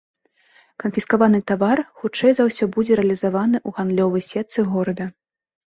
Канфіскаваны тавар хутчэй за ўсё будзе рэалізаваны ў гандлёвай сетцы горада.